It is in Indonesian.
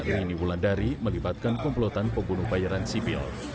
rini wulandari melibatkan komplotan pembunuh bayaran sipil